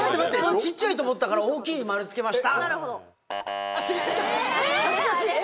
ちっちゃいと思ったから「大きい」に丸つけました。